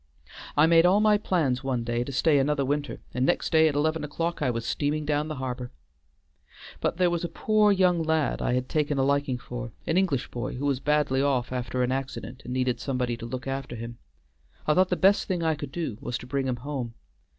I made all my plans one day to stay another winter, and next day at eleven o'clock I was steaming down the harbor. But there was a poor young lad I had taken a liking for, an English boy, who was badly off after an accident and needed somebody to look after him. I thought the best thing I could do was to bring him home.